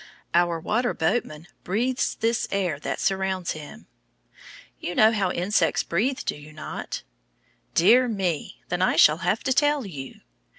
Our water boatman breathes this air that surrounds him. You know how insects breathe do you not? Dear me, then I shall have to tell you.